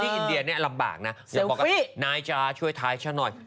คนอีกเดียวพูดไปน่าจะช่วยชาติให้ชะนอย